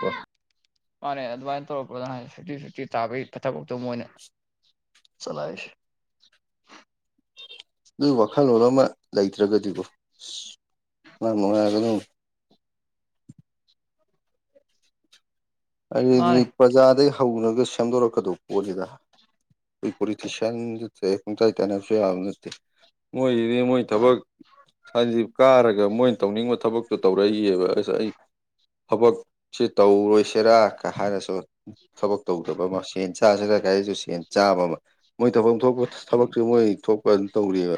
ꯎꯝ ꯃꯥꯅꯦ ꯑꯗꯨꯃꯥꯏꯅ ꯇꯧꯔꯛꯄꯗ ꯐꯤꯞꯇꯤ ꯐꯤꯞꯇꯤ ꯇꯥꯕꯒꯤ ꯊꯕꯛꯇꯣ ꯃꯣꯏꯅ [unintelligible] ꯑꯗꯨꯒꯤ ꯋꯥꯈꯜꯂꯣꯟ ꯑꯃ ꯂꯩꯇ꯭ꯔꯒꯗꯤꯒꯣ ꯑꯁ ꯑꯉꯥꯡ ꯅꯨꯡꯉꯥꯏꯔꯒ ꯑꯗꯨꯝ ꯑꯗꯨꯗꯤ ꯃꯥꯅꯦ ꯄ꯭ꯔꯖꯥꯗꯩ ꯍꯧꯔꯒ ꯁꯦꯝꯗꯣꯔꯛꯀꯗꯧꯕ ꯄꯣꯠꯅꯤꯗ꯫ ꯄꯣꯂꯤꯇꯤꯁꯤꯌꯟ ꯗꯇꯍꯦꯛ ꯄꯪꯇꯥꯏ ꯇꯥꯏꯅꯕꯁꯨ ꯌꯥꯕ ꯅꯠꯇꯦ ꯃꯣꯏꯁꯤ ꯑꯗꯨ ꯃꯣꯏ ꯃꯥꯅꯦ ꯊꯕꯛ ꯁꯟꯖꯤꯞ ꯀꯥꯔꯒ ꯃꯣꯏꯅ ꯇꯧꯅꯤꯡꯕ ꯊꯕꯛꯇꯣ ꯇꯧꯔꯛꯏꯑꯕ ꯑꯩ ꯊꯕꯛꯁꯤ ꯇꯧꯔꯣꯏꯁ ꯆꯦꯔꯥ ꯀ ꯍꯥꯏꯔꯁꯨ ꯊꯕꯛ ꯇꯧꯗꯕ ꯑꯃ ꯁꯦꯟ ꯆꯥ ꯆꯦꯔꯥ ꯀꯥꯏꯗꯁꯨ ꯁꯦꯟ ꯆꯥꯕ ꯑꯃ ꯃꯣꯏ ꯊꯐꯝ ꯊꯣꯛꯄ ꯎꯝ ꯊꯕꯛꯁꯦ ꯃꯣꯏ ꯊꯣꯛꯄ ꯇꯧꯔꯤꯕ꯫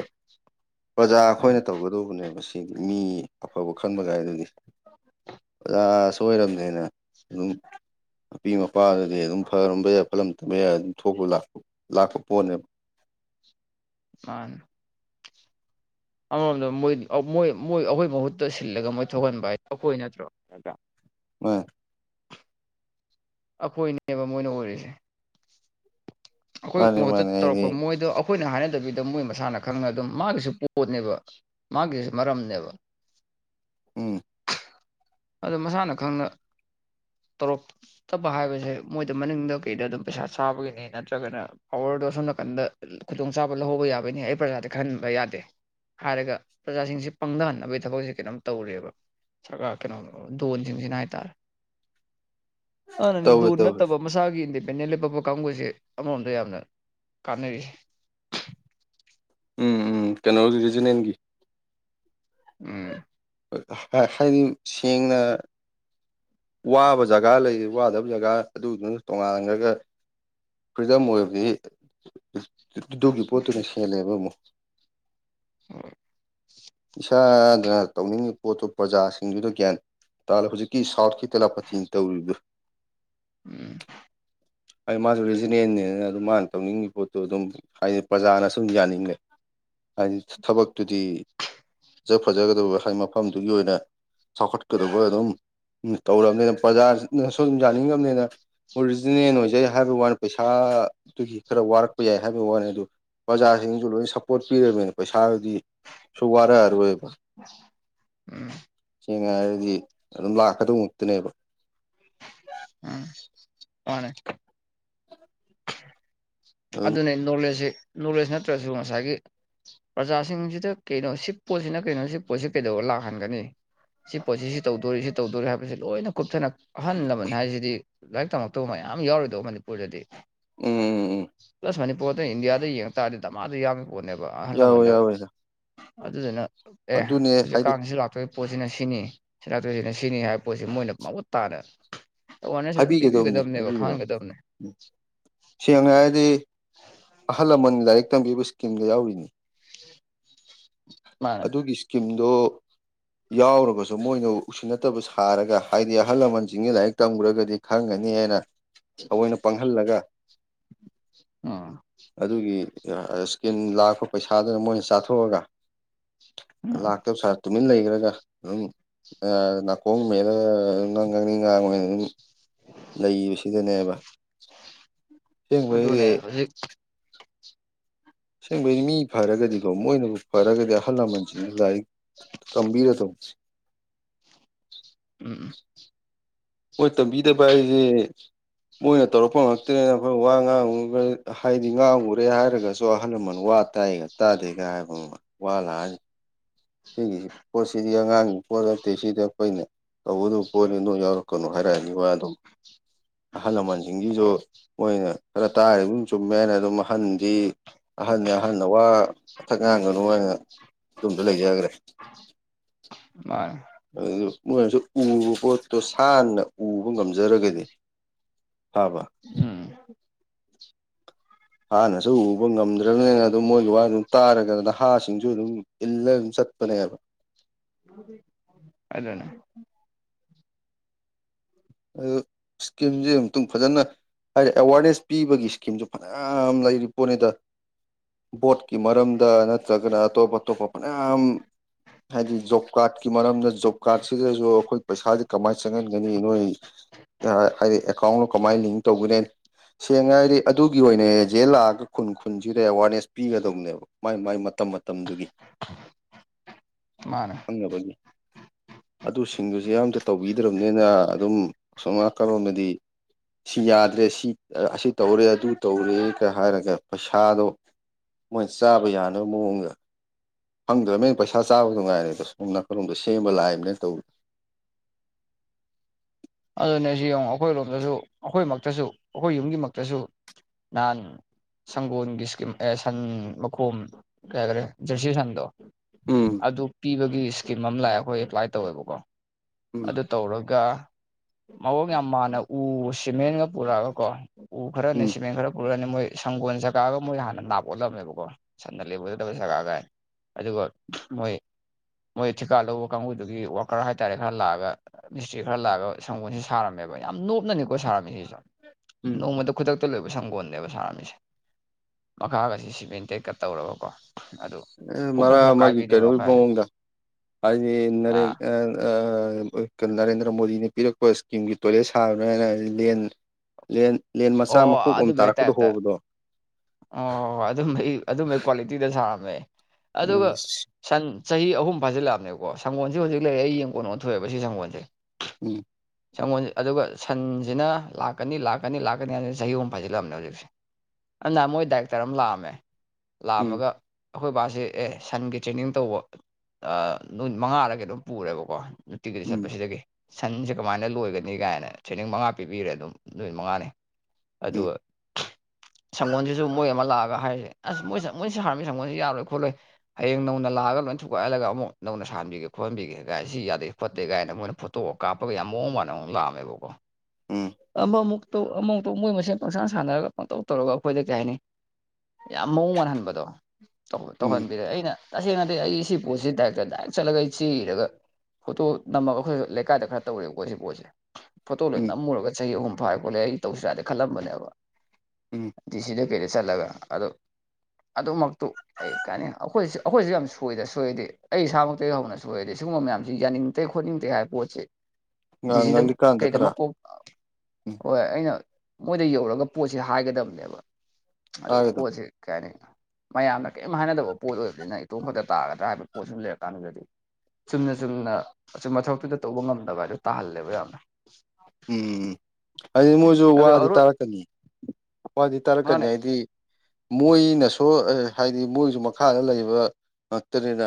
ꯄ꯭ꯔꯖꯥ ꯃꯥꯅꯦ ꯑꯩꯈꯣꯏꯅ ꯇꯧꯒꯗꯧꯕꯅꯦꯕ ꯁꯤꯒꯤ ꯃꯤ ꯑꯐꯕ ꯈꯟꯕꯒꯥꯏꯗꯨꯗꯤ ꯑꯣꯖꯥꯁꯨ ꯑꯣꯏꯔꯝꯅꯦꯅ ꯑꯗꯨꯝ ꯃꯄꯤ ꯃꯄꯥꯗꯨꯗꯤ ꯑꯗꯨꯝ ꯐꯔꯝꯕ ꯌꯥꯏ ꯐꯠꯂꯝꯗꯕ ꯌꯥꯢ ꯑꯗꯨꯝ ꯊꯣꯛꯄꯥꯛ ꯂꯥꯛꯄ ꯄꯣꯠꯅꯦꯕ ꯃꯥꯅꯤ꯫ ꯑꯃꯔꯣꯝꯗ ꯃꯣꯏ ꯃꯣꯏ ꯃꯣꯏ ꯑꯩꯈꯣꯏ ꯃꯍꯨꯠꯇ ꯁꯤꯜꯂꯒ ꯃꯣꯏ ꯊꯣꯛꯍꯟꯕ ꯍꯥꯏ ꯑꯩꯈꯣꯏ ꯅꯠꯇ꯭ꯔꯣ ꯃꯥꯅꯤ꯫ ꯑꯩꯈꯣꯏꯅꯦꯕ ꯃꯣꯏꯅ ꯑꯣꯏꯔꯤꯁꯦ꯫ ꯑꯩꯈꯣꯏꯒꯤ ꯃꯥꯅꯦ ꯃꯍꯨꯠꯇ ꯃꯥꯅꯦ ꯍꯥꯏꯗꯤ ꯇꯧꯔꯛꯄ ꯃꯣꯏꯗ ꯈꯣꯏꯅ ꯍꯥꯏꯅꯗꯕꯤꯗ ꯃꯣꯏ ꯃꯁꯥꯅ ꯈꯪꯅ ꯑꯗꯨꯝ ꯃꯥꯒꯁꯨ ꯄꯣꯠꯅꯦꯕ ꯃꯥꯒꯤ ꯃꯔꯝꯅꯦꯕ ꯎꯝ ꯑꯗꯣ ꯃꯁꯥꯅ ꯈꯪꯅ ꯇꯧꯔꯛ ꯐꯠꯇꯕ ꯍꯥꯏꯕꯖꯦ ꯃꯣꯏꯗ ꯃꯅꯤꯡꯗ ꯀꯩꯗ ꯑꯗꯨꯝ ꯄꯩꯁꯥ ꯆꯥꯕꯒꯤꯅꯤ ꯅꯠꯇ꯭ꯔꯒꯅ ꯄꯋꯥꯔꯗꯣ ꯑꯁꯣꯝ ꯅꯥꯀꯟꯗ ꯈꯨꯗꯣꯡꯆꯥꯥꯕ ꯂꯧꯍꯧꯕ ꯌꯥꯕꯩꯅꯤ ꯑꯩ ꯄ꯭ꯔꯖꯥꯗ ꯈꯟꯍꯟꯕ ꯌꯥꯗꯦ꯫ ꯍꯥꯏꯔꯒ ꯄ꯭ꯔꯖꯥꯁꯤꯡꯁꯦ ꯄꯪꯗꯍꯟꯅꯕꯒꯤ ꯊꯕꯛꯁꯦ ꯀꯩꯅꯣꯝ ꯇꯧꯔꯤꯑꯦꯕ꯫ ꯁꯒ ꯀꯩꯅꯣ ꯗꯣꯟꯁꯤꯡꯁꯤꯅ ꯍꯥꯏꯇꯥꯔꯦ꯫ ꯑꯥꯟꯅ ꯇꯧꯋꯦ ꯗꯣꯟ ꯇꯧꯋꯦ ꯅꯠꯇꯕ ꯃꯁꯥꯒꯤ ꯏꯟꯗꯤꯄꯦꯟꯗꯦꯟ ꯂꯩ ꯄꯛꯄ ꯀꯥꯡꯕꯨꯁꯦ ꯑꯃꯔꯣꯝꯗ ꯌꯥꯝꯅ ꯀꯥꯟꯅꯔꯤꯁꯦ ꯎꯝ ꯎꯝ ꯀꯩꯅꯣ ꯔꯤꯖꯅꯦꯜꯒꯤ꯫ ꯎꯝ꯫ ꯍꯥꯏꯗꯤ ꯁꯦꯡꯅ ꯋꯥꯕ ꯖꯒꯥ ꯂꯩ ꯋꯥꯗꯕ ꯖꯒꯥ ꯑꯗꯨꯗꯨꯅ ꯇꯣꯉꯥꯟꯈ꯭ꯔꯒ꯫ ꯐ꯭ꯔꯤꯗꯝ ꯑꯣꯏꯕꯗꯤ ꯑꯗꯨꯒꯤ ꯄꯣꯠꯇꯨꯅ ꯍꯦꯜꯂꯦꯕ ꯑꯃꯨꯛ꯫ ꯍꯣꯏ꯫ ꯏꯁꯥꯗꯅ ꯇꯧꯅꯤꯡꯉꯤ ꯄꯣꯠꯇꯣ ꯄ꯭ꯔꯖꯥꯁꯤꯡꯗꯨꯗ ꯒ꯭ꯌꯥꯟ ꯇꯥꯂ ꯍꯧꯖꯤꯛꯀꯤ ꯁꯥꯎꯠꯀꯤ ꯇꯦꯂꯥꯄꯥꯇꯤꯅ ꯇꯧꯔꯤꯕꯗꯨ꯫ ꯎꯝ꯫ ꯑꯩ ꯃꯥꯁꯨ ꯔꯤꯖꯅꯦꯜꯅꯤꯅ ꯑꯗꯨꯝ ꯃꯥꯅ ꯇꯧꯅꯤꯡꯉꯤ ꯄꯣꯠꯇꯣ ꯑꯗꯨꯝ ꯍꯥꯏꯗꯤ ꯄ꯭ꯔꯖꯥꯅ ꯁꯨꯝ ꯌꯥꯅꯤꯡꯉꯦ꯫ [inaudible] ꯍꯥꯏꯗꯤ ꯊꯕꯛꯇꯨꯗꯤ ꯐꯖ ꯐꯖꯒꯗꯕ ꯍꯥꯏ ꯃꯐꯝꯗꯨꯒꯤ ꯑꯣꯏꯅ ꯆꯥꯎꯈꯠꯀꯗꯕ ꯑꯗꯨꯝ ꯇꯧꯔꯕꯅꯤꯅ ꯄ꯭ꯔꯖꯥꯅꯁꯨ ꯑꯗꯨꯝ ꯌꯥꯅꯤꯡꯉꯕꯅꯤꯅ ꯑꯣꯔꯤꯖꯤꯅꯦꯜ ꯑꯣꯏꯖꯩ ꯍꯥꯏꯕꯒꯤ ꯋꯥꯅꯤ ꯄꯩꯁꯥꯗꯨꯒꯤ ꯈꯔ ꯋꯥꯔꯛꯄ ꯌꯥꯏ ꯍꯥꯏꯕꯒꯤ ꯋꯥꯅꯦ ꯑꯗꯨ ꯄ꯭ꯔꯖꯥꯁꯤꯡꯁꯨ ꯂꯣꯏ ꯁꯞꯄꯣꯔꯠ ꯄꯤꯔꯕꯅꯤꯅ ꯄꯩꯁꯥꯗꯨꯗꯤ ꯁꯨ ꯋꯥꯔꯛ ꯑꯔꯣꯏꯕ ꯎꯝ ꯁꯦꯡꯅ ꯍꯥꯏꯔꯗꯤ ꯑꯗꯨꯝ ꯂꯥꯛꯀꯗꯧꯉꯛꯇꯅꯦꯕ ꯎꯝ ꯃꯅꯦ ꯑꯗꯨꯝ ꯑꯗꯨꯅ ꯅꯣꯂꯦꯖꯁꯦ ꯅꯣꯂꯦꯖ ꯅꯠꯇ꯭ꯔꯁꯨ ꯉꯁꯥꯏꯒꯤ ꯄ꯭ꯔꯖꯥꯁꯤꯡꯁꯤꯗ ꯀꯩꯅꯣ ꯁꯤ ꯄꯣꯠꯁꯤꯅ ꯀꯩꯅꯣ ꯁꯤ ꯄꯣꯠꯁꯤ ꯀꯩꯗꯧꯔ ꯂꯥꯛꯍꯟꯒꯅꯤ ꯁꯤ ꯄꯣꯠꯁꯤ ꯁꯤ ꯇꯧꯗꯣꯔꯤ ꯁꯤ ꯇꯧꯗꯣꯔꯤ ꯍꯥꯏꯕꯁꯤ ꯂꯣꯏꯅ ꯀꯨꯞꯊꯅ ꯑꯍꯜ ꯂꯃꯟ ꯍꯥꯏꯁꯤꯗꯤ ꯂꯥꯏꯔꯤꯛ ꯇꯝꯃꯛꯇꯕ ꯃꯌꯥꯝ ꯌꯥꯎꯔꯤꯗꯣ ꯃꯅꯤꯄꯨꯔꯗꯗꯤ ꯎꯝ ꯄ꯭ꯂꯁ ꯃꯅꯤꯄꯨꯔꯗ ꯏꯟꯗꯤꯌꯥꯗ ꯌꯦꯡꯉꯛ ꯇꯥꯔꯗꯤꯗ ꯗꯝꯃꯗ ꯌꯥꯝꯃꯤ ꯄꯣꯠꯅꯦꯕ ꯑꯍꯜ ꯌꯥꯎꯋꯦ ꯂꯃꯟꯗ ꯌꯥꯎꯋꯦ ꯑꯗꯨꯗꯨꯅ ꯑꯦ ꯑꯗꯨꯅꯦ ꯍꯥꯏꯗꯤ ꯍꯧꯖꯤꯛꯀꯥꯟ ꯁꯤ ꯂꯥꯛꯇꯨꯔꯦ ꯄꯣꯠꯁꯤꯅ ꯁꯤꯅꯤ ꯁꯤꯂꯥꯛꯇꯨꯏꯁꯤꯅ ꯁꯤꯅꯤ ꯍꯥꯏꯕ ꯄꯣꯠꯁꯤ ꯃꯣꯏꯅ ꯃꯃꯨꯠ ꯇꯥꯅ ꯑꯋꯥꯔꯅꯦꯁ ꯑꯗꯨꯝ ꯄꯤꯕꯤꯒꯗꯕꯅꯦꯕ ꯈꯪꯍꯟꯒꯗꯕꯅꯦ ꯁꯦꯡꯅꯅ ꯍꯥꯏꯔꯗꯤ ꯑꯍꯜ ꯂꯃꯟ ꯂꯥꯏꯔꯤꯛ ꯇꯝꯕꯤꯕ ꯏꯁꯀꯤꯝꯗ ꯌꯥꯎꯔꯤꯅꯤ [inaudible] ꯃꯥꯅꯦ ꯑꯗꯨꯒꯤ ꯏꯁꯀꯤꯝꯗꯣ ꯌꯥꯎꯔꯒꯁꯨ ꯃꯣꯏꯅ ꯎꯁꯤꯟꯅꯗꯕ ꯁꯥꯔꯒ ꯍꯥꯏꯗꯤ ꯑꯍꯜ ꯂꯃꯟꯁꯤꯡ ꯂꯥꯏꯔꯤꯛ ꯇꯝꯈ꯭ꯔꯒꯗꯤ ꯈꯪꯒꯅꯤ ꯍꯥꯏꯅ ꯑꯑꯣꯏꯅ ꯄꯥꯡꯍꯜꯂꯒ ꯎꯝ ꯑꯗꯨꯒꯤ ꯏꯁꯀꯤꯝ ꯂꯥꯛꯄ ꯄꯩꯁꯥꯗꯨꯅ ꯃꯣꯏꯅ ꯆꯥꯊꯣꯛꯑꯒ ꯎꯝ ꯂꯥꯛꯇꯕ ꯁꯥꯔ ꯇꯨꯃꯤꯟ ꯂꯩꯈ꯭ꯔꯒ ꯑꯗꯨꯝ ꯅꯥꯀꯣꯡ ꯃꯦꯟꯂꯒ ꯅꯪ ꯉꯥꯡꯅꯤꯡ ꯉꯥꯡꯉꯣ ꯍꯥꯏꯅ ꯑꯗꯨꯝ [unintelligible] ꯂꯩꯕꯁꯤꯗꯅꯦꯕ ꯑꯁꯦꯡꯕꯩꯗꯤ ꯑꯗꯨꯅꯦ ꯍꯧꯖꯤꯛ ꯑꯁꯦꯡꯕꯩ ꯃꯤ ꯐꯔꯒꯗꯤꯀꯣ ꯃꯣꯏꯅꯕꯨ ꯐꯔꯒꯗꯤ ꯑꯍꯜ ꯂꯃꯟꯁꯤꯡꯁꯦ ꯂꯥꯏꯔꯤꯛ ꯇꯝꯕꯤꯒꯗꯧꯕꯅꯦ ꯎꯝ ꯍꯣꯏ ꯇꯝꯕꯤꯗꯕ ꯍꯥꯏꯁꯦ ꯃꯣꯏꯅ ꯇꯧꯔꯛꯄ ꯉꯛꯇꯅꯤꯅ ꯑꯩꯈꯣꯏꯅ ꯋꯥ ꯉꯥꯡꯉꯨꯕ꯭ꯔ ꯍꯥꯏꯗꯤ ꯉꯥꯡꯉꯨꯔꯦ ꯍꯥꯏꯔꯒꯁꯨ ꯑꯍꯜ ꯂꯃꯟ ꯋꯥꯠ ꯇꯒ ꯇꯥꯗꯦꯒ ꯍꯥꯏꯕ ꯑꯃ ꯋꯥ ꯂꯥꯛꯑ ꯁꯤꯒꯤ ꯄꯣꯠꯁꯤꯗꯤ ꯑꯉꯥꯡꯒꯤ ꯄꯣꯠ ꯅꯠꯇꯦ ꯁꯤꯗ ꯑꯩꯈꯣꯏꯅ ꯇꯧꯕꯗꯕꯨ ꯄꯣꯠꯅꯤ ꯅꯣꯏ ꯌꯥꯎꯔꯛꯀꯅꯨ ꯍꯥꯏꯔꯛꯑꯅꯤꯕ ꯑꯗꯨꯝ ꯑꯍꯜ ꯂꯃꯟ ꯁꯤꯡꯁꯤꯁꯨ ꯍꯣꯏ ꯃꯣꯏꯅ ꯈꯔ ꯇꯥꯔꯤꯕ ꯑꯗꯨꯝ ꯆꯨꯝꯃꯦꯅ ꯑꯗꯨꯝ ꯑꯍꯟꯗꯤ ꯑꯍꯟꯅꯤ ꯑꯍꯟꯗ ꯋꯥ ꯃꯊꯛ ꯉꯥꯡꯒꯅꯨ ꯍꯥꯏꯅ ꯑꯗꯨꯝꯁꯨ ꯂꯩ ꯌꯥꯈ꯭ꯔꯦ ꯃꯥ ꯑꯗꯨ ꯃꯣꯏꯅꯁꯨ ꯎꯕ ꯄꯣꯠꯇꯣ ꯁꯥꯟꯅ ꯎꯕ ꯉꯝꯖꯔꯒꯗꯤ ꯐꯕ ꯎꯝ ꯁꯥꯟꯅꯁꯨ ꯎꯕ ꯉꯝꯗ꯭ꯔꯕꯅꯤꯅ ꯑꯗꯨꯝ ꯃꯣꯏꯒꯤ ꯋꯥ ꯑꯗꯨꯝ ꯇꯥꯔꯒ ꯅꯍꯥꯥꯁꯤꯡꯁꯨ ꯑꯗꯨꯝ ꯏꯜꯂ ꯑꯗꯨꯝ ꯆꯠꯄꯅꯦꯕ ꯑꯗꯨꯅꯦ ꯑꯗꯨ ꯏꯁꯀꯤꯝꯁꯦ ꯑꯃꯨꯛꯇꯪ ꯐꯖꯅ ꯍꯥꯏꯗꯤ ꯑꯦꯋꯥꯔꯅꯦꯁ ꯄꯤꯕꯒꯤ ꯁ꯭ꯀꯤꯝꯁꯨ ꯐꯅꯌꯥꯝ ꯂꯩꯔꯤ ꯄꯣꯠꯅꯤꯗ ꯄꯣꯠꯀꯤ ꯃꯔꯝꯗ ꯅꯠꯇ꯭ꯔꯒꯅ ꯑꯇꯣꯞ ꯑꯇꯣꯞꯄ ꯐꯅꯌꯥꯝ ꯍꯥꯏꯗꯤ ꯖꯣꯕ ꯀꯥꯔꯗꯀꯤ ꯃꯔꯝꯗ ꯖꯣꯕ ꯀꯥꯔꯗꯁꯤꯗꯁꯨ ꯑꯩꯈꯣꯏ ꯄꯩꯁꯥꯥꯁꯦ ꯀꯃꯥꯏꯅ ꯆꯪꯍꯟꯒꯅꯤ ꯅꯣꯏ ꯍꯥꯏꯗꯤ ꯑꯦꯀꯥꯎꯟꯗꯣ ꯀꯃꯥꯏ ꯂꯤꯡ ꯇꯧꯒꯅꯤ ꯁꯦꯡꯅ ꯍꯥꯏꯗꯤ ꯑꯗꯨꯒꯤ ꯑꯣꯏꯅ ꯑꯦꯖꯦꯟꯠ ꯂꯥꯛꯑꯒ ꯈꯨꯟ ꯈꯨꯟꯁꯤꯗ ꯑꯦꯋꯥꯔꯅꯦꯁ ꯄꯤꯒꯗꯧꯕꯅꯦꯕ ꯃꯥꯏ ꯃꯥꯏ ꯃꯇꯝ ꯃꯇꯝꯗꯨꯒꯤ ꯃꯥꯅꯦ ꯈꯪꯅꯕꯒꯤ ꯑꯗꯨꯁꯤꯡꯗꯨꯁꯨ ꯑꯝꯇ ꯇꯧꯕꯤꯗ꯭ꯔꯕꯅꯤꯅ ꯑꯗꯨꯝ ꯁꯣꯃꯀꯔ ꯑꯣꯏꯅꯗꯤ [inaudible] ꯁꯤ ꯌꯥꯗ꯭ꯔꯦ ꯁꯤ ꯑꯁꯤ ꯇꯧꯔꯦ ꯑꯗꯨ ꯇꯧꯔꯦꯒ ꯍꯥꯏꯔꯒ ꯄꯩꯁꯥꯗꯣ ꯃꯣꯏ ꯆꯥꯕ ꯌꯥꯅꯕ ꯃꯑꯣꯡꯗ ꯐꯪꯗ꯭ꯔꯕ ꯃꯅ ꯄꯩꯁꯥ ꯆꯥꯕꯁꯨ ꯉꯥꯏꯔꯦ ꯑꯣ ꯁꯣꯝꯅꯥꯔꯣꯝꯗ ꯁꯦꯝꯕ ꯂꯥꯛꯏꯕꯅꯦꯅ ꯇꯧꯔꯤꯁꯦ ꯑꯗꯨꯅꯦ ꯁꯤ ꯌꯦꯡꯉꯣ ꯑꯩꯈꯣꯏ ꯂꯣꯝꯗꯁꯨ ꯑꯩꯈꯣꯏꯃꯛꯇꯁꯨ ꯑꯩꯈꯣꯏ ꯌꯨꯝꯒꯤꯃꯛꯇꯁꯨ ꯅꯍꯥꯟ ꯁꯪꯒꯣꯜꯒꯤ ꯁ꯭ꯀꯤꯝ ꯑꯦ ꯁꯟ ꯃꯈꯣꯝ ꯀꯩ ꯍꯥꯏꯈꯔꯦ ꯖꯔꯁꯤ ꯁꯟꯗꯣ ꯎꯝ ꯑꯗꯨ ꯄꯤꯕꯒꯤ ꯁ꯭ꯀꯤꯝ ꯑꯃ ꯂꯥꯛꯑꯦ ꯑꯩꯈꯣꯏ ꯑꯦꯄ꯭ꯂꯥꯏ ꯇꯧꯋꯦꯕꯀꯣ ꯎꯝ ꯑꯗꯨ ꯇꯧꯔꯒ ꯃꯑꯣꯡ ꯌꯥꯝ ꯃꯥꯟꯅ ꯎ ꯁꯤꯃꯦꯟꯠꯒ ꯄꯨꯔꯛꯑꯒꯀꯣ ꯎ ꯈꯔꯅꯦ ꯎꯝ ꯁꯤꯃꯦꯟꯠ ꯈꯔ ꯄꯨꯔꯛꯑꯅꯤ ꯃꯣꯏ ꯁꯪꯒꯣꯜ ꯖꯒꯥꯒ ꯃꯣꯏ ꯍꯥꯟꯅ ꯅꯥꯞ ꯑꯣꯜꯂꯝꯃꯦꯕꯀꯣ ꯁꯟꯅ ꯂꯦꯞꯍꯣꯏꯗꯕ ꯖꯒꯥ ꯀꯥꯏ ꯑꯗꯨꯒ ꯃꯣꯏ ꯃꯣꯏ ꯊꯤꯀꯥ ꯂꯧꯕ ꯀꯥꯡꯕꯨꯗꯨꯒꯤ ꯋꯥꯀꯔ ꯍꯥꯏꯇꯥꯔꯦ ꯈꯔ ꯂꯥꯛꯑꯒ ꯃꯤꯁꯇ꯭ꯔꯤ ꯈꯔ ꯂꯥꯛꯑꯒ ꯁꯪꯒꯣꯜꯁꯦ ꯁꯥꯔꯝꯃꯦꯕ ꯌꯥꯝ ꯅꯣꯞꯅꯅꯤꯀꯣ ꯁꯥꯔꯝꯃꯤ ꯁꯤꯁꯨ ꯎꯝ ꯅꯣꯡꯃꯗ ꯈꯨꯗꯛꯇ ꯂꯣꯏ ꯁꯪꯒꯣꯟꯅꯦꯕ ꯁꯥꯔꯝꯃꯤꯁꯦ ꯃꯈꯥꯒꯁꯦ ꯁꯤꯃꯦꯟꯇꯦꯠ ꯀ ꯇꯧꯔꯒꯀꯣ ꯑꯗꯨ ꯑꯦ ꯄꯣꯞ ꯃꯔꯥ ꯄꯣꯞ ꯄꯣꯞ ꯑꯃꯒꯤ ꯀꯥꯏꯕꯤꯅꯦꯕ ꯀꯩꯅꯣꯒꯤ ꯑꯩꯈꯣꯏ ꯃꯑꯣꯡꯗ ꯍꯥꯏꯗꯤ ꯔꯦꯛ ꯑꯥ ꯑ ꯅꯔꯦꯟꯗ꯭ꯔ ꯃꯣꯗꯤꯅ ꯄꯤꯔꯛꯄ ꯁ꯭ꯀꯤꯝꯒꯤ ꯇꯣꯏꯂꯦꯠ ꯁꯥꯕꯅꯦꯅ ꯂꯦꯝꯅ ꯂꯦꯟ ꯂꯦꯟ ꯃꯆꯥ ꯑꯣ ꯃꯀꯨꯞ ꯑꯃ ꯑꯗꯨꯝꯕꯩ ꯇꯥꯔꯛꯄꯗꯣ ꯇꯥꯏꯞꯇ ꯍꯣꯕꯗꯣ ꯑꯣ ꯑꯗꯨꯝꯕꯩ ꯑꯗꯨꯝꯕꯩ ꯀ꯭ꯋꯥꯂꯤꯇꯤꯗ ꯁꯥꯔꯝꯃꯦ ꯑꯗꯨꯒ ꯎꯝ ꯁꯟ ꯆꯍꯤ ꯑꯍꯨꯝ ꯐꯥꯖꯤꯜꯂꯛꯑꯕꯅꯦꯕꯀꯣ ꯁꯪꯒꯣꯜꯁꯦ ꯍꯧꯖꯤꯛ ꯂꯩꯔꯦ ꯑꯩ ꯌꯦꯟꯒꯣꯟ ꯑꯣꯟꯊꯣꯛꯑꯦꯕ ꯁꯤ ꯁꯪꯒꯣꯜꯁꯦ ꯎꯝ ꯁꯪꯒꯣꯜꯁꯦ ꯑꯗꯨꯒ ꯁꯟꯁꯤꯅ ꯂꯥꯛꯀꯅꯤ ꯂꯥꯛꯀꯅꯤ ꯂꯥꯛꯀꯅꯤ ꯍꯥꯏꯅ ꯆꯍꯤ ꯑꯨꯝ ꯐꯥꯖꯤꯜꯂꯛꯂꯕꯅꯦ ꯍꯧꯖꯤꯛꯁꯦ ꯈꯪꯗꯦ ꯃꯣꯏ ꯗꯥꯏꯔꯦꯛꯇꯔ ꯑꯃ ꯂꯥꯛꯑꯝꯃꯦ ꯎꯝ ꯂꯥꯛꯑꯝꯃꯒ ꯑꯩꯈꯣꯏ ꯕꯥꯁꯦ ꯑꯦ ꯁꯟꯒꯤ ꯇ꯭ꯔꯦꯅꯤꯡ ꯇꯧꯕ ꯑ ꯅꯨꯃꯤꯠ ꯃꯉꯥꯔ ꯀꯩꯅꯣꯝ ꯄꯨꯔꯦꯕꯀꯣ ꯅꯨꯡꯇꯤꯒꯤꯗꯤ ꯆꯠꯄ ꯎꯝ ꯁꯤꯗꯒꯤ ꯁꯟꯁꯦ ꯀꯃꯥꯏꯅ ꯂꯣꯏꯒꯅꯤ ꯀꯥꯏꯅ ꯇ꯭ꯔꯦꯅꯤꯡ ꯃꯉꯥ ꯄꯤꯕꯤꯔꯦ ꯑꯗꯨꯝ ꯅꯨꯃꯤꯠ ꯃꯉꯥꯅꯤ ꯎꯝ ꯑꯗꯨꯒ ꯁꯪꯒꯣꯜꯁꯤꯁꯨ ꯃꯣꯏ ꯑꯃ ꯂꯥꯛꯑꯒ ꯍꯥꯏꯔꯤꯁꯦ ꯑꯁ ꯃꯣꯏ ꯃꯣꯏ ꯁꯥꯔꯝꯃꯤ ꯁꯪꯒꯣꯜꯁꯤ ꯌꯥꯔꯣꯏ ꯈꯣꯠꯂꯣꯏ ꯍꯌꯦꯡ ꯅꯧꯅ ꯂꯥꯛꯑꯒ ꯂꯣꯏ ꯊꯨꯒꯥꯏꯍꯜꯂꯒ ꯑꯃꯨꯛ ꯅꯧꯅ ꯁꯥꯍꯟꯕꯤꯒꯦ ꯈꯣꯠꯍꯟꯕꯤꯒꯦ ꯀꯥꯢ ꯁꯤ ꯌꯥꯗꯦ ꯈꯣꯠꯇꯦ ꯀꯥꯏꯅ ꯃꯣꯏꯅ ꯐꯣꯇꯣꯒ ꯀꯥꯞꯄꯒ ꯌꯥꯝ ꯃꯑꯣꯡ ꯃꯥꯟꯅ ꯑꯃꯨꯛ ꯂꯥꯛꯑꯝꯃꯦꯕꯀꯣ ꯎꯝ ꯑꯃ ꯃꯨꯛꯇꯧ ꯑꯃ ꯃꯨꯛꯇꯧ ꯃꯣꯏ ꯃꯁꯦꯟ ꯄꯪꯁꯥꯟ ꯁꯥꯟꯅꯔꯒ ꯄꯪꯇꯧ ꯇꯧꯔꯒ ꯑꯩꯈꯣꯏꯗ ꯀꯩ ꯍꯥꯏꯅꯤ ꯌꯥꯝ ꯃꯑꯣꯡ ꯃꯥꯟꯍꯟꯕꯗꯣ ꯎꯝ ꯇꯧꯍꯟꯕꯤꯔꯦ ꯑꯩꯅ ꯇꯁꯦꯡꯅꯗꯤ ꯑꯩ ꯁꯤ ꯄꯣꯠꯁꯦ ꯗꯥꯏꯔꯦꯛꯇꯔꯗ ꯆꯠꯂꯒ ꯑꯩ ꯆꯦ ꯏꯔꯒ ꯐꯣꯇꯣ ꯅꯝꯃꯒ ꯑꯩꯈꯣꯏ ꯂꯩꯀꯥꯏꯗ ꯈꯔ ꯇꯧꯔꯦꯕꯀꯣ ꯁꯤ ꯄꯣꯠꯁꯦ ꯐꯣꯇꯣ ꯂꯣꯏ ꯎꯝ ꯅꯝꯃꯨꯔꯒ ꯆꯍꯤ ꯑꯍꯨꯝ ꯐꯥꯔꯛꯄꯗꯩ ꯑꯩ ꯇꯧꯁꯤꯔꯗꯤ ꯈꯜꯂꯝꯕꯅꯦꯕ ꯎꯝ ꯗꯤ ꯁꯤꯗ ꯀꯩꯗ ꯆꯠꯂꯒ ꯑꯗꯣ ꯑꯗꯨꯃꯛꯇꯨ ꯀꯩ ꯀꯥꯟꯅꯩ ꯑꯩꯈꯣꯏ ꯑꯩꯈꯣꯏꯁꯨ ꯌꯥꯝ ꯁꯣꯏꯗ ꯁꯣꯏꯗꯤ ꯑꯩ ꯏꯁꯥꯃꯛꯇꯒꯤ ꯍꯧꯅ ꯁꯣꯏꯔꯦꯗꯤ ꯁꯤꯒꯨꯝꯕ ꯃꯌꯥꯝꯁꯤ ꯌꯥꯅꯤꯡ ꯈꯣꯠꯅꯤꯡꯗꯦ ꯍꯥꯏꯕ ꯄꯣꯠꯁꯦ ꯉꯥꯡ ꯁꯤꯗ ꯉꯜꯂꯤꯀꯥꯟꯗ ꯀꯩꯗꯃꯛ ꯈꯔ ꯀꯣꯛ ꯎꯝ ꯍꯣꯏ ꯑꯩꯅ ꯃꯣꯏꯗ ꯌꯧꯔꯒ ꯄꯣꯠꯁꯦ ꯍꯥꯏꯒꯗꯕꯅꯦꯕ ꯑꯗꯨ ꯍꯥꯏꯒꯗꯕ ꯄꯣꯠꯁꯦ ꯀꯩ ꯍꯥꯏꯅꯤ ꯃꯌꯥꯝꯅ ꯀꯔꯤꯝ ꯍꯥꯏꯅꯗꯕ ꯄꯣꯠ ꯑꯣꯏꯕꯅꯤꯅ ꯏꯇꯣꯝ ꯈꯛꯇ ꯇꯥꯒꯗ꯭ꯔꯥ ꯍꯥꯏꯕ ꯄꯣꯠꯁꯨ ꯂꯩꯔ ꯀꯥꯟꯗꯨꯗꯗꯤ ꯆꯨꯝꯅ ꯆꯨꯝꯅ ꯑꯆꯨꯝ ꯃ ꯊꯕꯛꯇꯨꯗ ꯇꯧꯕ ꯉꯝꯗꯕ ꯍꯥꯏꯗꯣ ꯇꯥꯍꯜꯂꯦꯕ ꯌꯥꯝꯅ ꯎꯝ ꯑꯗꯨꯗꯤ ꯃꯣꯏꯁꯨ ꯑꯗꯣ ꯋꯥꯗꯤ ꯑꯔꯣꯏ ꯇꯥꯔꯛꯀꯅꯤ ꯋꯥꯗꯤ ꯇꯔꯛꯀꯅꯤ ꯃꯥꯅꯦ ꯍꯥꯏꯗꯤ ꯃꯣꯏꯅꯁꯨ ꯍꯥꯏꯗꯤ ꯃꯣꯏꯁꯨ ꯃꯈꯥꯗ ꯂꯩꯕ ꯉꯥꯛꯇꯅꯤꯅ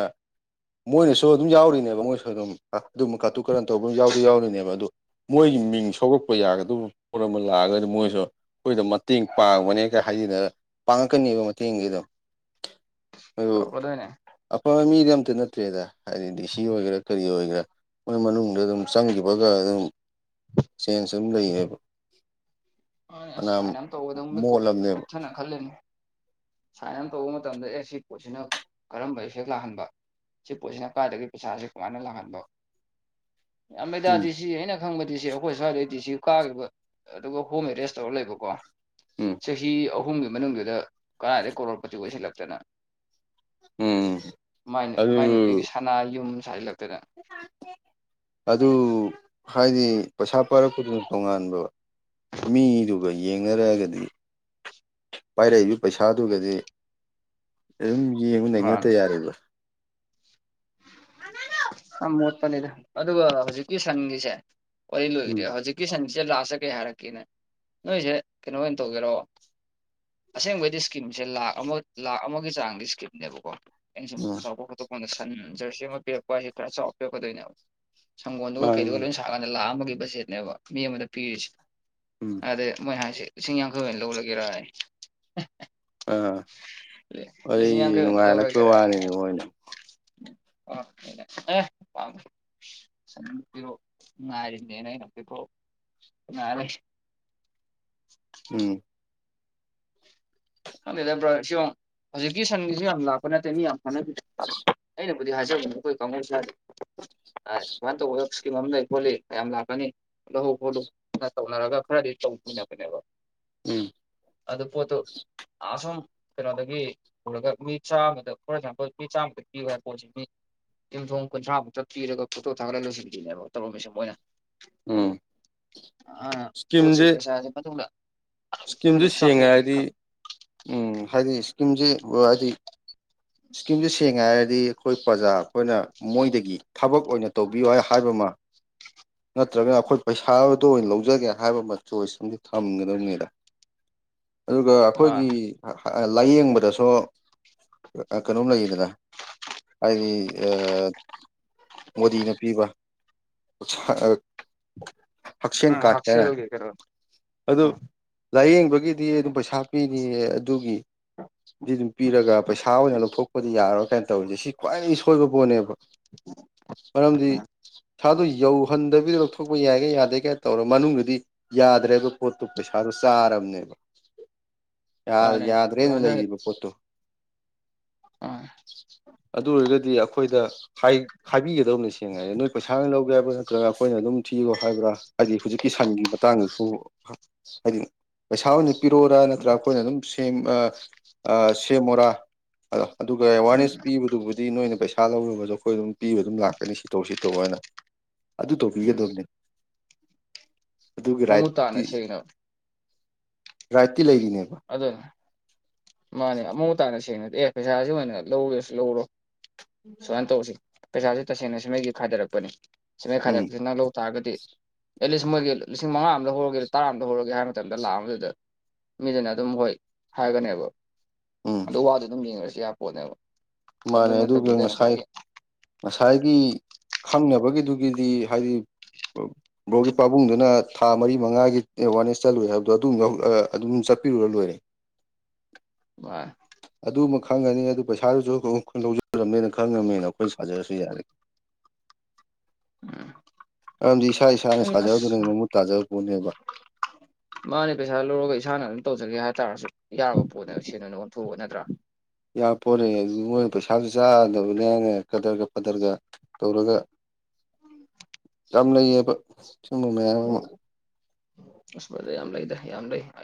ꯃꯣꯏꯅꯁꯨ ꯑꯗꯨꯝ ꯌꯥꯎꯔꯤꯅꯦꯕ ꯃꯣꯏꯁꯨ ꯑꯗꯨꯝ ꯑꯗꯨꯝꯕ ꯀꯥꯇꯨ ꯀꯥꯔꯟ ꯇꯧꯕ ꯑꯗꯨꯝ ꯌꯥꯎꯗꯤ ꯌꯥꯎꯔꯤꯅꯦꯕ ꯑꯗꯨ ꯃꯣꯏꯒꯤ ꯃꯤꯡ ꯁꯧꯂꯛꯄ ꯌꯥꯒꯗꯕ ꯄꯣꯠ ꯑꯃ ꯂꯥꯛꯑꯒꯗꯤ ꯃꯣꯏꯁꯨ ꯑꯩꯈꯣꯏꯗ ꯃꯇꯦꯡ ꯄꯥꯡꯕꯅꯦ ꯈ ꯍꯥꯏꯖꯤꯗ ꯄꯥꯡꯉꯛꯀꯅꯦꯕ ꯃꯇꯦꯡꯁꯤꯗꯣ ꯑꯗꯨ ꯇꯧꯔꯛꯀꯗꯣꯏꯅꯦ ꯑꯐꯕ ꯃꯤꯗꯤ ꯑꯝꯇ ꯅꯠꯇ꯭ꯔꯦꯗ ꯍꯥꯏꯗꯤ ꯁꯤ ꯑꯣꯏꯒꯦꯔꯥ ꯀꯔꯤ ꯑꯣꯏꯒꯦꯔꯥ ꯃꯣꯏ ꯃꯅꯨꯡꯗ ꯑꯗꯨꯝ ꯆꯪꯈꯤꯕꯒ ꯑꯗꯨꯝ ꯆꯦꯟꯖ ꯑꯗꯨꯝ ꯂꯩꯌꯦꯕ ꯑ ꯑꯁ ꯐꯅꯌꯥꯝ ꯁꯨꯥꯏꯅ ꯑꯃ ꯇꯒꯗ ꯃꯤ ꯃꯣꯠꯂꯕꯅꯦꯕ ꯀꯨꯞꯊꯅ ꯈꯜꯂꯦꯅꯦ ꯁꯥꯏꯟ ꯑꯃ ꯇꯧꯕ ꯃꯇꯝꯗ ꯑꯦ ꯁꯤ ꯄꯣꯠꯁꯤꯅ ꯀꯔꯝꯕ ꯏꯐꯦꯛ ꯂꯥꯛꯍꯟꯕ ꯁꯤ ꯄꯣꯠꯁꯤꯅ ꯀꯥꯏꯗꯒꯤ ꯄꯩꯁꯥꯁꯦ ꯀꯃꯥꯏꯅ ꯂꯥꯛꯍꯟꯕ ꯌꯥꯝꯃꯃꯦ ꯎꯝ ꯇꯗꯤ ꯁꯤ ꯑꯩꯅ ꯈꯪꯕꯗꯤ ꯁꯤ ꯑꯩꯈꯣꯏ ꯁ꯭ꯋꯥꯏꯗꯩꯗꯤ ꯁꯤ ꯀꯥꯈꯤꯕ ꯑꯗꯨꯒ ꯍꯣꯝ ꯑꯦꯔꯦꯖ ꯇꯧꯔꯒ ꯂꯩꯕꯀꯣ ꯎꯝ ꯆꯍꯤ ꯑꯍꯨꯝꯒꯤ ꯃꯅꯨꯡꯗꯨꯗ ꯀꯗꯥꯗ ꯀꯣꯔꯣꯔꯄꯇꯤ ꯑꯣꯏꯁꯤꯜꯂꯛꯇꯅꯣ ꯎꯝ ꯃꯥꯏ ꯑꯗꯨ ꯃꯥꯏ ꯅꯨꯨꯄꯤꯒꯤ ꯁꯅꯥ ꯌꯨꯝꯨꯜꯂꯛꯇꯗ ꯑꯗꯨ ꯍꯥꯏꯗꯤ ꯄꯩꯁꯥ ꯄꯥꯔꯛꯄꯗꯨ ꯇꯣꯉꯥꯟꯕ ꯃꯤꯗꯨꯒ ꯌꯦꯡꯅꯔꯒꯗꯤ ꯄꯥꯏꯔꯛꯏꯕ ꯄꯩꯁꯥꯗꯨꯒꯗꯤ ꯑꯗꯨꯝ ꯌꯦꯡꯕ ꯅꯩꯅꯇ ꯌꯥꯝ ꯌꯥꯔꯦꯗ ꯑ ꯃꯣꯠꯄꯅꯤꯗ ꯑꯗꯨꯒ ꯍꯧꯖꯤꯛꯀꯤ ꯁꯟꯒꯤꯁꯦ ꯍ ꯎꯝ ꯂꯣꯏꯗꯔꯦ ꯍꯧꯖꯤꯛꯀꯤ ꯁꯟꯁꯦ ꯂꯥꯁꯇ ꯀꯩ ꯍꯥꯏꯔꯛꯀꯦꯅꯦ ꯅꯣꯏꯁꯦ ꯀꯩꯅꯣ ꯑꯣꯏꯅ ꯇꯧꯒꯦꯔꯣꯑꯣ ꯑꯁꯦꯡꯕꯩꯗꯤ ꯏꯁꯀꯤꯝꯁꯦ ꯂꯥꯛ ꯑꯃ ꯂꯥꯛ ꯑꯃꯒꯤ ꯆꯥꯡꯒꯤ ꯏꯁꯀꯤꯝꯅꯦꯕꯀꯣ ꯑꯩꯅ ꯁꯨꯝ ꯎꯝ ꯆꯥꯎꯕ ꯈꯣꯠꯇꯣꯛꯄꯥꯟꯗ ꯁꯟ ꯖꯔꯁꯤ ꯑꯃ ꯄꯤꯔꯛꯄ ꯍꯥꯏꯁꯦ ꯈꯔ ꯆꯥꯎꯕ ꯄꯤꯔꯛꯀꯗꯣꯏꯅꯦꯕ ꯁꯪꯒꯣꯜꯗꯨꯒ ꯃꯥꯅꯤ ꯀꯩꯗꯨꯒ ꯃꯥꯅꯤ ꯂꯣꯏ ꯁꯥꯔꯀꯥꯟꯗ ꯂꯥꯛꯑꯝꯕꯒꯤ ꯕꯖꯦꯠꯅꯦꯕ ꯃꯤ ꯑꯃꯗ ꯄꯤꯔꯤꯁꯦ ꯎꯝ ꯑꯗꯩ ꯃꯣꯏ ꯍꯥꯏꯁꯦ ꯂꯤꯁꯤꯡ ꯌꯥꯡꯈꯩ ꯑꯣꯏꯅ ꯂꯧꯔꯒꯦꯔ ꯑꯥ ꯂꯤꯁꯤꯡ ꯑꯩ ꯌꯥꯡꯈꯩ ꯅꯨꯡꯉꯥꯏꯔꯛꯄ ꯂꯧꯔꯒꯦꯔ ꯋꯥꯅꯤꯅꯦ ꯃꯣꯏꯅ [unintelligible] [unintelligible] ꯎꯝ ꯈꯪꯗꯦꯗ ꯕ꯭ꯔꯥ ꯁꯤꯡꯉꯛ ꯍꯧꯖꯤꯛꯀꯤ ꯁꯟꯒꯤꯁꯨ ꯌꯥꯝ ꯂꯥꯛꯄ ꯅꯠꯇꯦ ꯃꯤ ꯌꯥꯝ ꯀꯥꯟꯅꯕꯤ ꯑꯩꯅꯕꯨꯗꯤ ꯍꯥꯏꯖꯕꯅꯤ ꯑꯩꯈꯣꯏ ꯀꯥꯡꯕꯨ ꯁꯥ ꯁꯃꯟꯇ ꯑꯣꯔꯁꯀꯤ ꯑꯃ ꯂꯩ ꯈꯣꯠꯂꯤ ꯀꯌꯥꯝ ꯂꯥꯛꯀꯅꯤ ꯂꯧꯅ ꯐꯥꯎꯗꯣꯛ ꯇꯧꯅꯔꯒ ꯈꯔꯗꯤ ꯆꯧꯊꯟꯅꯕꯅꯦꯕ ꯎꯝ ꯑꯗꯨꯗ ꯄꯣꯠꯇꯣ ꯑꯁꯝ ꯀꯩꯅꯣꯗꯒꯤ ꯄꯨꯔꯒ ꯃꯤ ꯆꯥꯝꯃꯗ ꯐꯣꯔ ꯑꯦꯛꯖꯥꯝꯄꯜ ꯃꯤ ꯆꯥꯃꯗ ꯄꯤꯕ ꯍꯥꯏꯕ ꯄꯣꯠꯁꯤ ꯃꯤ ꯌꯨꯝꯊꯣꯡ ꯀꯨꯟꯊ꯭ꯔꯥ ꯃꯨꯛꯇ ꯄꯤꯔꯒ ꯐꯣꯇꯣ ꯊꯥꯒꯠꯂ ꯂꯣꯏꯁꯤꯟꯁꯤꯅꯦꯕ ꯇꯧꯐꯝꯁ ꯑꯣꯏꯅ ꯎꯝ [unintelligible] ꯏꯁꯀꯤꯝꯗꯨ ꯑꯩꯉꯣꯟꯗ ꯁꯦꯡꯉꯦ ꯆꯥꯊꯣꯛꯀꯦ ꯍꯥꯏꯗꯤ ꯈꯟ ꯎꯝ ꯍꯥꯏꯗꯤ ꯏꯁꯀꯤꯝꯁꯦ ꯍꯥꯏꯗꯤ ꯏꯁꯀꯤꯝꯁꯦ ꯁꯦꯡ ꯍꯥꯏꯥꯏꯔꯗꯤ ꯑꯩꯈꯣꯏ ꯄ꯭ꯔꯖꯥ ꯑꯩꯈꯣꯏꯅ ꯃꯣꯏꯗꯒꯤ ꯊꯕꯛ ꯑꯣꯏꯅ ꯇꯧꯕꯤꯌꯨ ꯍꯥꯏ ꯍꯥꯏꯕ ꯑꯃ ꯅꯠꯇ꯭ꯔꯒꯅ ꯑꯩꯈꯣꯏ ꯄꯩꯁꯥꯗꯣ ꯑꯣꯏꯅ ꯂꯧꯖꯒꯦ ꯍꯥꯏꯕ ꯑꯃ ꯆꯣꯏꯁ ꯑ ꯊꯝꯒꯗꯕꯅꯤꯗ ꯑꯗꯨꯒ ꯑꯩꯈꯣꯏꯒꯤ ꯃꯥꯅꯦ ꯂꯥꯏꯌꯦꯡꯕꯗꯁꯨ ꯀꯩꯅꯣꯝ ꯂꯩꯗꯅ ꯍꯥꯏꯗꯤ ꯃꯣꯗꯤꯅ ꯄꯤꯕ ꯍꯛꯁꯟ ꯎꯝ ꯀꯥꯇ ꯀꯅ ꯍꯛꯁꯦꯜꯒꯤ ꯀꯩꯅꯣ ꯑꯗꯨ ꯎꯝ ꯂꯥꯏꯌꯦꯡꯕꯒꯤꯗꯤ ꯑꯗꯨꯝ ꯄꯩꯁꯥ ꯄꯤꯅꯤꯌꯦ ꯑꯗꯨꯒꯤ ꯑꯗꯨ ꯑꯗꯨꯝ ꯄꯤꯔꯒ ꯄꯩꯁꯥ ꯑꯣꯏꯅ ꯂꯧꯊꯣꯛꯄꯗꯤ ꯌꯥꯔꯣꯏ ꯀꯥꯏ ꯇꯧꯔꯤꯁꯦ ꯁꯤ ꯈ꯭ꯋꯥꯏꯗꯒꯤ ꯁꯣꯏꯕ ꯄꯣꯠꯅꯦꯕ ꯃꯔꯝꯗꯤ ꯎꯝ ꯁꯥꯗꯨꯣ ꯌꯧꯍꯟꯗꯕꯤꯗ ꯂꯧꯊꯣꯛꯄ ꯌꯥꯏꯒꯥꯏ ꯌꯥꯗꯦꯒꯥꯏ ꯇꯧꯔ ꯃꯅꯨꯡꯗꯗꯤ ꯌꯥꯗ꯭ꯔꯦꯕ ꯄꯣꯠꯇꯨ ꯄꯩꯁꯥꯗ ꯆꯥꯔꯕꯅꯦꯕ ꯃꯥꯅꯦ ꯌꯥꯗ꯭ꯔꯦꯅ ꯑꯗꯨꯃꯥꯏꯅ ꯂꯩꯕ ꯄꯣꯠꯇꯣ ꯑꯥ ꯑꯗꯨ ꯑꯣꯏꯔꯒꯗꯤ ꯑꯩꯈꯣꯏꯗ ꯍꯥꯏꯕꯤꯒꯗꯕꯅꯤ ꯁꯦꯡꯅ ꯅꯣꯏ ꯄꯩꯁꯥ ꯂꯧꯒꯦ ꯍꯥꯏꯕ ꯅ ꯅꯠꯇ꯭ꯔꯒ ꯑꯩꯈꯣꯏꯅ ꯑꯗꯨꯝ ꯊꯤꯌꯣ ꯍꯥꯏꯕ꯭ꯔꯥ ꯍꯥꯏꯗꯤ ꯍꯧꯖꯤꯛꯀꯤ ꯁꯟꯒꯤ ꯃꯇꯥꯡꯗꯁꯨ ꯍꯥꯏꯗꯤ ꯄꯩꯁꯥ ꯑꯣꯏꯅ ꯄꯤꯔꯛꯑꯣꯔꯥ ꯎꯝ ꯅꯠꯇ꯭ꯔꯒ ꯑꯩꯈꯣꯏꯅ ꯑꯗꯨꯝ ꯁꯦꯝ ꯁꯦꯝꯃꯔꯥ ꯑꯣ ꯑꯗꯨꯒ ꯎꯝ ꯑꯦꯋꯥꯔꯅꯦꯁ ꯄꯤꯕꯗꯨꯕꯨꯗꯤ ꯑꯗꯨ ꯅꯣꯏꯅ ꯄꯩꯁꯥ ꯂꯧꯔꯨꯕꯁꯨ ꯑꯩꯈꯣꯏ ꯑꯗꯨꯝ ꯄꯤꯕ ꯑꯗꯨꯝ ꯂꯥꯛꯀꯅꯤ ꯁꯤꯠꯇꯣꯛ ꯁꯤꯠꯇꯣꯛꯑꯣ ꯍꯥꯏꯅ ꯑꯗꯨ ꯎꯝ ꯇꯧꯕꯤꯒꯗꯕꯅꯦ ꯃꯃꯨꯠ ꯇꯥꯅ ꯁꯦꯡꯅ ꯔꯥꯏꯠꯇꯤ ꯂꯩꯈꯤꯅꯦꯕ ꯑꯗꯨꯅ ꯃꯥꯅꯦ ꯑꯃꯨꯇꯥꯅ ꯁꯦꯡꯅꯗꯦ ꯄꯩꯁꯥꯥꯁ ꯑꯣꯏꯅ ꯂꯧꯔꯁꯨ ꯂꯧꯔꯣ ꯁꯨꯃꯥꯏꯅ ꯇꯧꯁꯤ ꯄꯩꯁꯥꯁꯦ ꯇꯁꯦꯡꯅ ꯁꯤꯃꯁꯤ ꯈꯥꯗꯔꯛꯄꯅꯤ ꯁꯤꯃ ꯎꯝ ꯈꯥꯏꯔꯁꯤꯅ ꯂꯧ ꯇꯥꯔꯒꯗꯤ ꯑꯦꯠꯂꯤꯁ ꯃꯣꯏꯒꯤ ꯂꯤꯁꯤꯡꯉꯥ ꯑꯃꯗ ꯍꯧꯔꯒꯦ ꯇꯥ ꯑꯃꯗ ꯍꯧꯛꯒꯦ ꯍꯥꯏꯕ ꯃꯇꯝꯗ ꯂꯥꯛꯑ ꯑꯃꯗꯨꯗ ꯃꯤꯗꯨꯅ ꯑꯗꯨꯝ ꯍꯣꯏ ꯍꯥꯏꯒꯅꯦꯕ ꯎꯝ ꯑꯗꯨ ꯋꯥꯗꯨꯣ ꯑꯗꯨꯝ ꯌꯦꯡꯉꯔꯁꯨ ꯌꯥ ꯄꯣꯠꯅꯦꯕ ꯑꯗꯨ ꯃꯥꯅꯦ ꯑꯗꯨꯒ ꯅꯠꯇꯕꯤꯗ ꯉꯁꯥꯏ ꯉꯁꯥꯏꯒꯤ ꯉꯁꯥꯏꯒꯤ ꯈꯪꯅꯕꯒꯤꯗꯨꯒꯤꯗꯤ ꯍꯥꯏꯗꯤ ꯕ꯭ꯂꯣꯛꯀꯤ ꯄꯥꯕꯨꯡꯗꯨꯅ ꯊꯥ ꯃꯔꯤ ꯃꯉꯥꯒꯤ ꯑꯦꯋꯥꯔꯅꯦꯁ ꯆꯠꯂꯨꯏ ꯍꯥꯏꯕꯗꯣ ꯑꯗꯨꯝ ꯑꯗꯨꯝ ꯆꯠꯄꯤꯔꯨꯔ ꯂꯣꯏꯔꯦ ꯋꯥ ꯑꯗꯨꯃ ꯈꯪꯉꯅꯤ ꯑꯗꯨ ꯄꯩꯁꯥꯗꯨꯁꯨ ꯈꯪꯗꯧꯖꯨꯔꯔꯕꯃꯦꯅ ꯈꯪꯉꯕꯃꯦꯅ ꯑꯩꯈꯣꯏ ꯁꯥꯖꯔꯁꯨ ꯌꯥꯔꯦ ꯎꯝ ꯃꯔꯝꯗꯤ ꯏꯁꯥ ꯏꯁꯥꯅ ꯑꯩ ꯁꯥꯖꯔꯗꯨꯅ ꯑꯁ ꯃꯃꯨꯠ ꯇꯥꯖꯕ ꯄꯣꯠꯅꯦꯕ ꯃꯥꯅꯦ ꯄꯩꯁꯥ ꯂꯧꯔꯒ ꯏꯁꯥꯅ ꯑꯗꯨꯝ ꯇꯧꯖꯒꯦ ꯍꯥꯏꯇꯥꯔꯁꯨ ꯌꯥꯕ ꯄꯣꯠꯅꯦꯕ ꯁꯦꯟꯅꯅ ꯑꯣꯟꯊꯣꯛꯑꯒ ꯅꯠꯇ꯭ꯔꯥ ꯌꯥꯝ ꯄꯣꯠꯅꯦ ꯑꯗ ꯃꯣꯏ ꯄꯩꯁꯥꯁꯨ ꯆꯥꯗꯕꯅꯦꯅꯦ ꯀꯗꯔꯒ ꯐꯗꯔꯒ ꯇꯧꯔꯒ ꯌꯥꯝ ꯂꯩꯌꯦꯕ ꯁꯨꯝꯕ ꯃꯌꯥꯝ ꯑꯃ ꯑꯁ ꯋꯥꯔꯤ ꯌꯥꯝ ꯂꯩꯗ ꯌꯥꯝ ꯂꯩ ꯑ